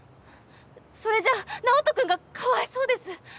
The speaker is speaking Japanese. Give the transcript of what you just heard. それじゃ直人君がかわいそうです。